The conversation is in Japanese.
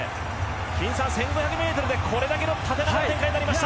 １５００ｍでこれだけの縦長な展開になりました。